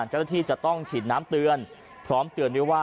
ใจที่จะต้องฉีดน้ำเตือนพร้อมเตือนว่า